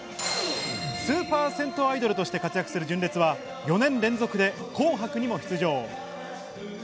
スーパー銭湯アイドルとして活躍する純烈は４年連続で『紅白』にも出場。